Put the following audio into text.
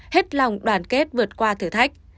hết lòng đoàn kết vượt qua thử thách